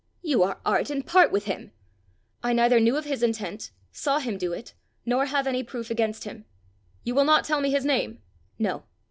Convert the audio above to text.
"You are art and part with him!" "I neither knew of his intent, saw him do it, nor have any proof against him." "You will not tell me his name?" "No."